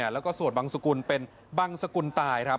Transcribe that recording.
แล้วก็สวดบังสกุลเป็นบังสกุลตายครับ